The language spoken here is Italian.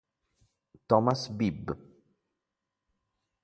Thomas Bibb